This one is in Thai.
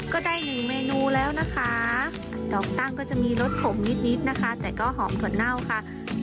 ก็ได้หนึ่งเมนูแล้วนะคะดอกตั้งก็จะมีรสขมนิดนะคะแต่ก็หอมถั่วเน่าค่ะ